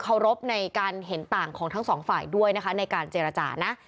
รบในการเห็นต่างของทั้งสองฝ่ายด้วยนะคะในการเจรจานะ